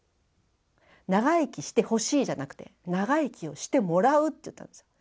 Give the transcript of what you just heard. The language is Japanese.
長生きしてほしいじゃなくて長生きをしてもらうって言ったんです。